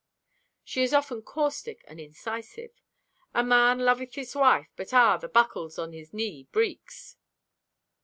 She is often caustic and incisive. "A man loveth his wife, but, ah, the buckles on his knee breeks!"